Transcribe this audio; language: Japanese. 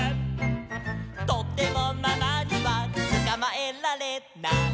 「とてもママにはつかまえられない」